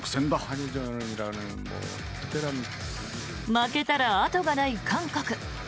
負けたら後がない韓国。